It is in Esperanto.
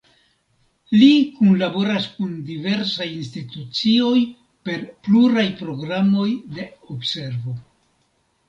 Li kunlaboras kun diversaj institucioj per pluraj programoj de observo.